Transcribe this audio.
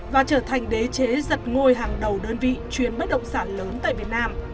và trở thành đế chế giật ngôi hàng đầu đơn vị chuyến bất động sản lớn tại việt nam